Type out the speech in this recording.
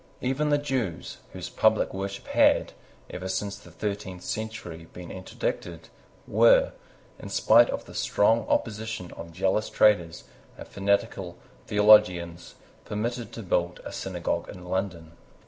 Even the Jews, whose public worship had, ever since the thirteenth century, been interdicted, were, in spite of the strong opposition of jealous traders and fanatical theologians, permitted to build a synagogue in London.